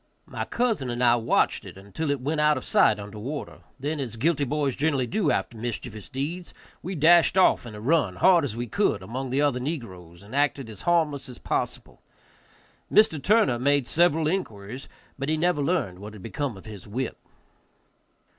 My cousin and I watched it until it went out of sight under water; then, as guilty boys generally do after mischievous deeds, we dashed off in a run, hard as we could, among the other negroes, and acted as harmless as possible. Mr. Turner made several inquiries, but never learned what had become of his whip.